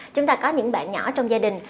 chúng ta có những bạn nhỏ trong gia đình